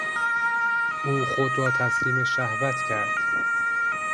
او خود را تسلیم شهوت کرد.